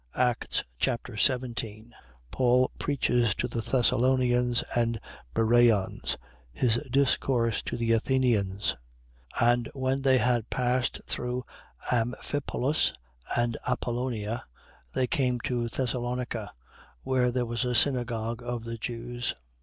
Acts Chapter 17 Paul preaches to the Thessalonians and Bereans. His discourse to the Athenians. 17:1. And when they had passed through Amphipolis and Apollonia, they came to Thessalonica, where there was a synagogue of the Jews.